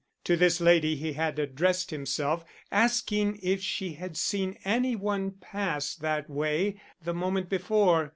To this lady he had addressed himself, asking if she had seen any one pass that way the moment before.